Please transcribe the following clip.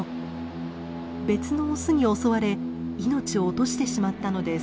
別のオスに襲われ命を落としてしまったのです。